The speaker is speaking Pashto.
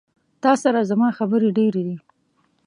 تا سره زما خبري ډيري دي